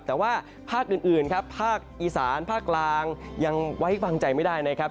แต่ว่าภาคอื่นครับภาคอีสานภาคกลางยังไว้วางใจไม่ได้นะครับ